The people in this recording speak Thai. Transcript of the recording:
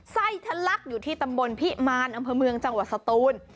ไส้ทะลักอยู่ที่ตำบลพิมารอำเภอเมืองจังหวัดสตูน